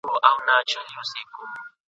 له آسمانه به راتللې بیرته کورته !.